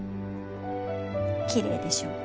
きれいでしょう。